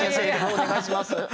お願いします。